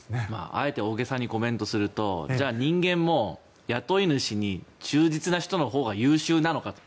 あえて大げさにコメントするとじゃあ、人間も雇い主に忠実な人のほうが優秀なのかと。